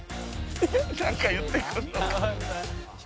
なんか言ってくるのか？